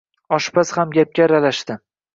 Oshpaz ham gapga aralashdi: